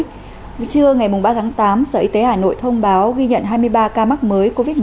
trưa ngày ba tháng tám sở y tế hà nội thông báo ghi nhận hai mươi ba ca mắc mới covid một mươi chín